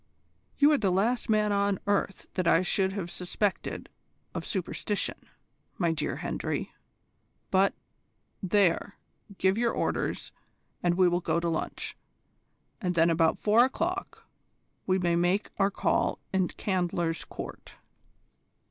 "You are the last man on earth that I should have suspected of superstition, my dear Hendry. But, there, give your orders, and we will go to lunch, and then about four o'clock we may make our call in Candler's Court."